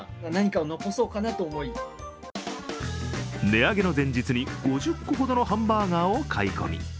値上げの前日に５０個ほどのハンバーガーを買い込み